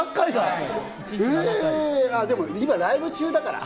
今ライブ中だから。